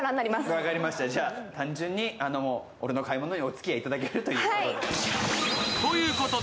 分かりました、単純に俺の買い物にお付き合いいただけてるということで。